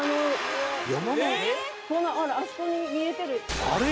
ほらあそこに見えてる。